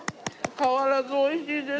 変わらずおいしいです。